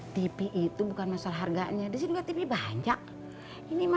tipe itu bukan masalah harganya disini tv banyak ini masalahnya sejarah dan kenangannya